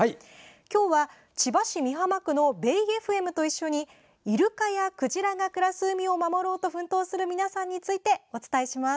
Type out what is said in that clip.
今日は、千葉市美浜区のベイエフエムと一緒にイルカやクジラが暮らす海を守ろうと奮闘する皆さんについてお伝えします。